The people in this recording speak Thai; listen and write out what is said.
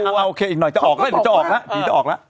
โอเคอีกหน่อยจะออกแล้วหรือจะออกละ